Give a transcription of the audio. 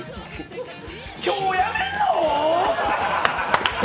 今日やめんの？